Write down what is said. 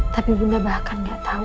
tapi bunda bahkan gak tahu